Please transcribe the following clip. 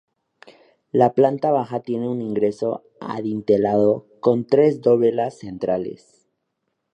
La planta baja tiene un ingreso adintelado con tres dovelas centrales.